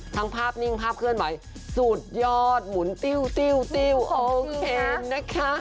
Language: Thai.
ทั้งภาพนิ่งภาพเคลื่อนไหวสุดยอดหมุนติ้วโอเคนะคะ